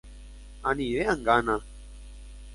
Anive angána